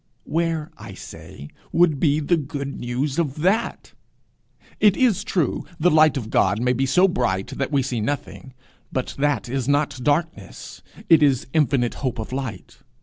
Where, I say, would be the good news of that? It is true, the light of God may be so bright that we see nothing; but that is not darkness, it is infinite hope of light.